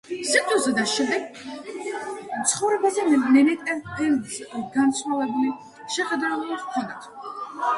სიკვდილზე და შემდგ ცხოვრებაზე ნენეტებს განსხვავებული შეხედულება ჰქონდათ.